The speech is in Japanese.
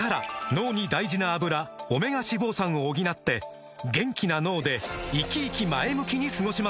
脳に大事な「アブラ」オメガ脂肪酸を補って元気な脳でイキイキ前向きに過ごしませんか？